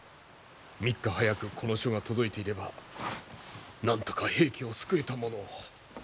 ３日早くこの書が届いていればなんとか平家を救えたものを。